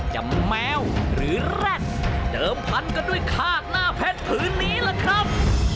แมวหรือแร็ดเดิมพันกันด้วยคาดหน้าเพชรพื้นนี้ล่ะครับ